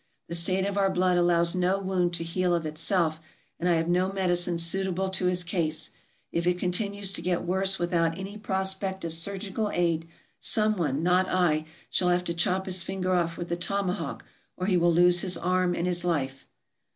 The state of our blood allows no wound to heal of itself, and I have no medicine suitable to his case. If it continues to get worse without any prospect of surgical aid, some one (not I) shall have to chop his finger off with a tomahawk or he will lose his arm and his life.